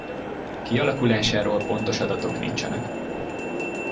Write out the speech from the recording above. Kialakulásáról pontos adatok nincsenek.